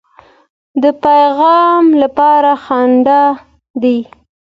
د پیغام لپاره خنډ دی.